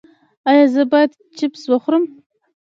ایا زه باید چپس وخورم؟